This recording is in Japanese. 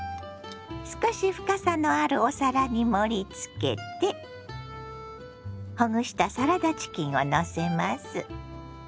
少し深さのあるお皿に盛りつけてほぐしたサラダチキンをのせます。